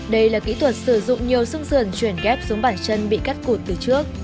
đây là kỹ thuật sử dụng nhiều xương sườn chuyển ghép xuống bàn chân bị cắt cụt từ trước